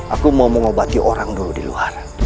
aku mau mengobati orang dulu di luar